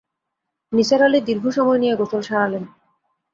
নিসার আলি দীর্ঘ সময় নিয়ে গোসল সারালেন।